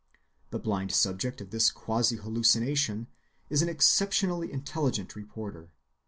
The blind subject of this quasi‐hallucination is an exceptionally intelligent reporter.